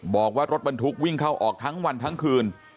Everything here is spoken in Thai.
บอกว่ารถบรรทุกวิ่งเข้าออกทั้งวันทั้งคืน